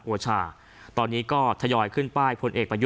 ไปว่าพักธรรมประชารัติ